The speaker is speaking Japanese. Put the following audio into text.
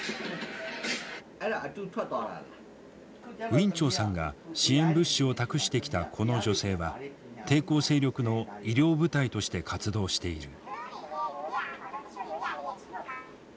ウィン・チョウさんが支援物資を託してきたこの女性は抵抗勢力の医療部隊として活動している。